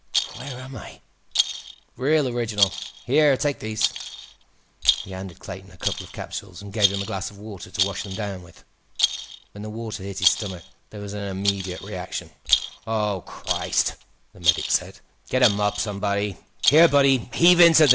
"Where am I?" "Real original. Here, take these." He handed Clayton a couple of capsules, and gave him a glass of water to wash them down with. When the water hit his stomach, there was an immediate reaction. "Oh, Christ!" the medic said. "Get a mop, somebody. Here, bud; heave into this."